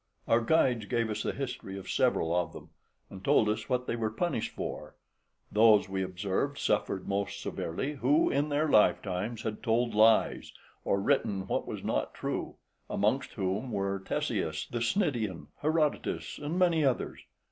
Our guides gave us the history of several of them, and told us what they were punished for; those, we observed, suffered most severely who in their lifetimes had told lies, or written what was not true, amongst whom were Ctesias the Cnidian, Herodotus, and many others.